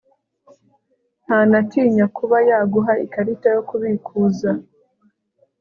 ntanatinya kuba yaguha ikarita yo kubikuza